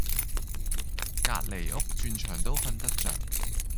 隔離屋鑽牆都瞓得著